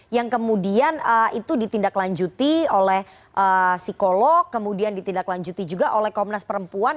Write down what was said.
yang kemudian itu ditindaklanjuti oleh psikolog kemudian ditindaklanjuti juga oleh komnas perempuan